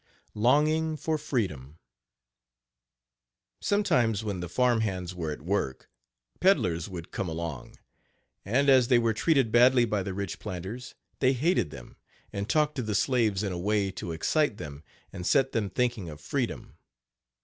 LONGING FOR FREEDOM. Sometimes when the farm hands were at work, peddlers would come along; and, as they were treated badly by the rich planters, they hated them, and talked to the slaves in a way to excite them and set them thinking of freedom.